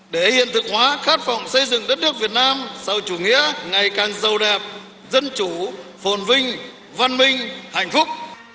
để hiện thực hóa khát phòng xây dựng đất nước việt nam sau chủ nghĩa ngày càng giàu đẹp dân chủ phồn vinh văn minh hạnh phúc